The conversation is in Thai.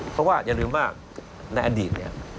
เพราะว่าอย่าลืมว่าในอดีตเนี่ย